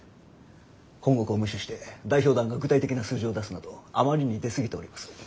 本国を無視して代表団が具体的な数字を出すなどあまりに出過ぎております。